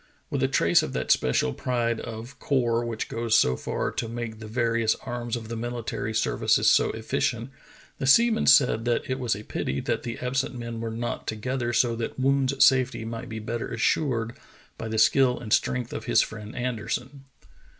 With a trace of that special pride of corps which goes so far to make the various arms of the mihtary services so efficient, the seamen said that it was a pity that the absent men were not together so that Woon's safety might be better assured by the skill and strength of his friend Anderson.